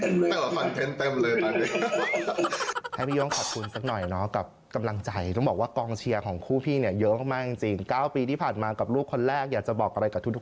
ขอบคุณสักหน่อยเนาะกับกำลังใจต้องบอกว่ากองเชียร์ของคู่พี่เนี่ยเยอะมากจริง๙ปีที่ผ่านมากับลูกคนแรกอยากจะบอกอะไรกับทุก